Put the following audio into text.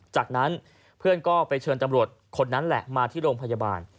จากนั้นเพื่อนก็ไปเชิญตำรวจคนนั้นแหละมาที่โรงพยาบาล